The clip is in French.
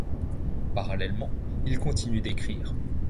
Parallèlement, il continue d’écrire.